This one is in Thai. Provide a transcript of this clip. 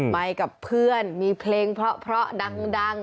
ไปกับเพื่อนมีเพลงเพราะดัง